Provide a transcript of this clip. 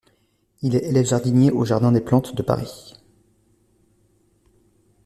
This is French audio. Il est élève jardinier au Jardin des plantes de Paris.